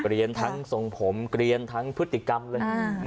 เรียนทั้งทรงผมเกลียนทั้งพฤติกรรมเลย